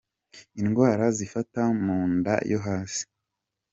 Indwara zifata mu nda yo hasi.